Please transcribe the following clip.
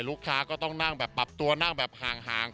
ลูกค้าก็ต้องนั่งแบบปรับตัวนั่งแบบห่าง